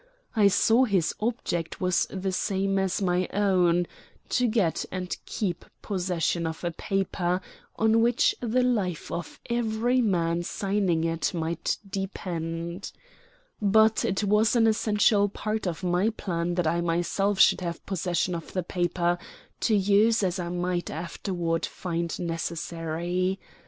I saw his object was the same as my own to get and keep possession of a paper on which the life of every man signing it might depend. But it was an essential part of my plan that I myself should have possession of the paper to use as I might afterward find necessary.